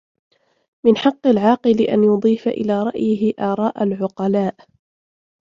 مِنْ حَقِّ الْعَاقِلِ أَنْ يُضِيفَ إلَى رَأْيِهِ آرَاءَ الْعُقَلَاءِ